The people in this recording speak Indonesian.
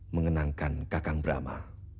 mengenangkan kakak brahma